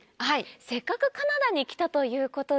せっかくカナダに来たということで